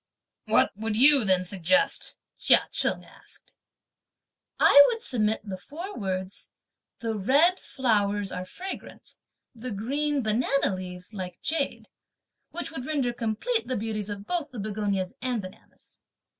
"What would you then suggest?" Chia Cheng asked. "I would submit the four words, 'the red (flowers) are fragrant, the green (banana leaves) like jade,' which would render complete the beauties of both (the begonias and bananas)."